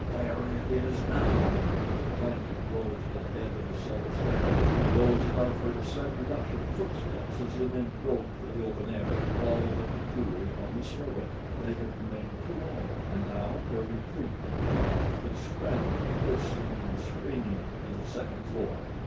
Gawd! there it is now," as the clanking rose to the head of the cellar stairs; and those above heard a sudden rush of footsteps as the men broke for the open air all but the two upon the stairway. They had remained too long and now, their retreat cut off, they scrambled, cursing and screaming, to the second floor.